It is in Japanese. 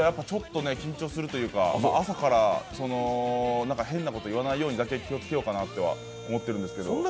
ちょっと緊張するというか、朝から変なこと言わないようにだけ気を付けようかなとは思ってるんですけど。